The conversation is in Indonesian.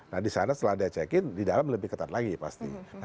nah di sana setelah dia check in di dalam lebih ketat lagi pasti